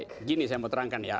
oke gini saya mau terangkan ya